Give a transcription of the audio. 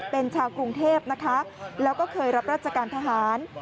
เป็นชาวกรุงเทพนะคะแล้วก็เคยรับราชการทหาร